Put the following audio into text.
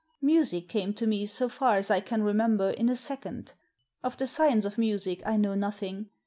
Music came to me, so far as I can remember, in a second. Of the science of music I know nothing.